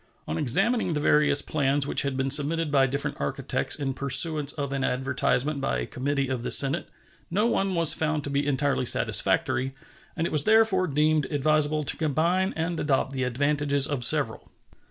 On examining the various plans which had been submitted by different architects in pursuance of an advertisement by a committee of the Senate no one was found to be entirely satisfactory, and it was therefore deemed advisable to combine and adopt the advantages of several.